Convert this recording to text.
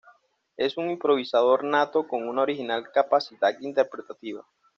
Es un improvisador nato con una original capacidad interpretativa.